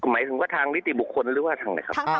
หมายถึงว่าทางนิติบุคคลหรือว่าทางไหนครับ